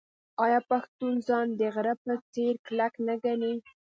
آیا پښتون ځان د غره په څیر کلک نه ګڼي؟